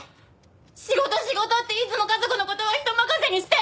仕事仕事っていつも家族の事は人任せにして！